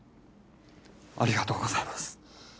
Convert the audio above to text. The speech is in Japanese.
ありがとうございます